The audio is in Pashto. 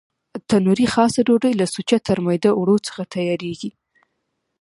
تنوري خاصه ډوډۍ له سوچه ترمیده اوړو څخه تیارېږي.